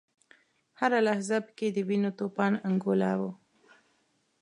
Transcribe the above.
هره لحظه په کې د وینو د توپان انګولا وه.